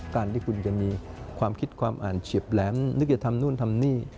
การที่คุณจะมีความคิดความอ่านเฉียบแหลมนึกจะทำนู่นทำนี่